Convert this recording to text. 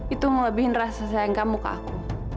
itu melebihin rasa sayang kamu ke aku